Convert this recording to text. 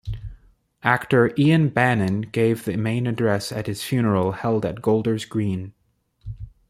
Actor Ian Bannen gave the main address at his funeral held at Golders Green.